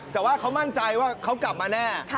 แต่ว่าเขามั่นใจว่าเขากลับมาแน่